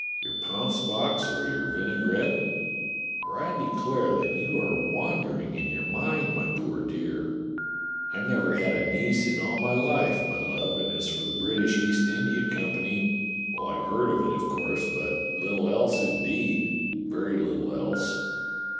Your pounce box or your vinai grette? for I declare that you are wandering in your mind, my poor dear. I never had a niece in all my life, my love, and as for the British East India Company — well, I have heard of it, of course, but little else in deed — very little else."